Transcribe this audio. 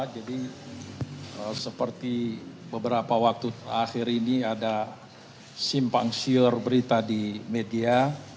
jadi seperti beberapa waktu terakhir ini ada simpang siur berita di media